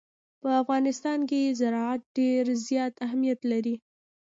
په افغانستان کې زراعت ډېر زیات اهمیت لري.